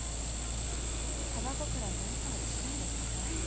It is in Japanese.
タバコくらいで大騒ぎしないでください。